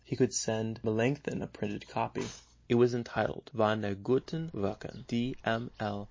he could send Melanchthon a printed copy. It was entitled: Von den guten werckenn: D. M. L.